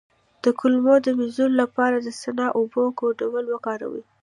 د کولمو د مینځلو لپاره د سنا او اوبو ګډول وکاروئ